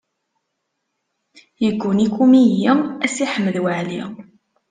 Yegguni-k umihi a Si Ḥmed Waɛli.